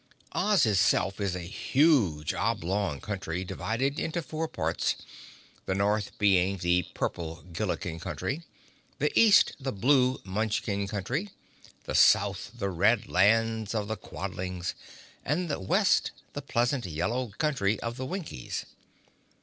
Oz itself is a huge oblong country divided into four parts, the North being the purple Gilliken country, the East the blue Munchkin country, the South the red lands of the Quadlings, and the West the pleasant yellow country of the Winkies.